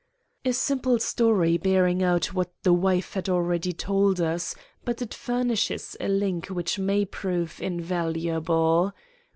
"A simple story bearing out what the wife has already told us; but it furnishes a link which may prove invaluable.